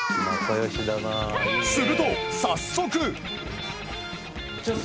すると早速。